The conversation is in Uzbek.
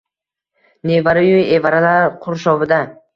Nevara-yu evaralar qurshovida